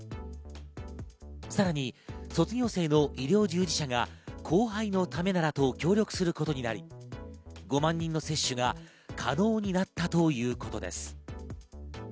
さらに卒業生の医療従事者が後輩のためならと協力することになり、５万人の接種が可能になったということです。